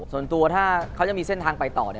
ส่วนตัวถ้าเขายังมีเส้นทางไปต่อ